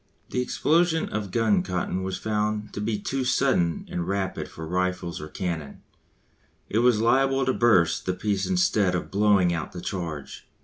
The explosion of gun cotton was found to be too sudden and rapid for rifles or cannon; it was liable to burst the piece instead of blowing out the charge.